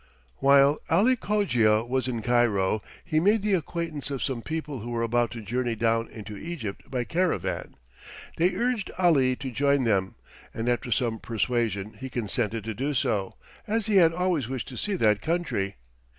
While Ali Cogia was in Cairo he made the acquaintance of some people who were about to journey down into Egypt by caravan. They urged Ali to join them, and after some persuasion he consented to do so, as he had always wished to see that country.